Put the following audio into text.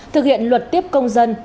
thực hiện luật tiếp công dân